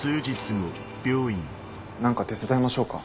何か手伝いましょうか？